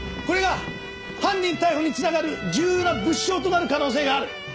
これが犯人逮捕に繋がる重要な物証となる可能性がある！